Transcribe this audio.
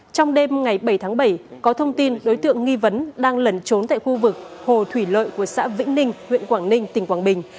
trong đêm ngày bảy tháng bảy có thông tin đối tượng nghi vấn đang lẩn trốn tại khu vực hồ thủy lợi của xã vĩnh ninh huyện quảng ninh tỉnh quảng bình